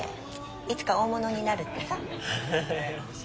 いつか大物になるってさ。